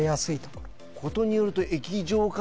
ことによると液状化現象とか。